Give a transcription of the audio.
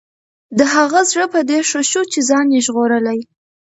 د هغه زړه په دې ښه شو چې ځان یې ژغورلی.